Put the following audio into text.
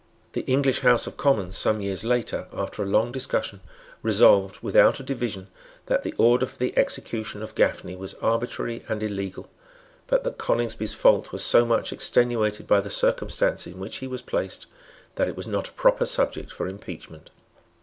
The English House of Commons, some years later, after a long discussion, resolved, without a division, that the order for the execution of Gafney was arbitrary and illegal, but that Coningsby's fault was so much extenuated by the circumstances in which he was placed that it was not a proper subject for impeachment.